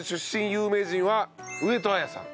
有名人は上戸彩さん。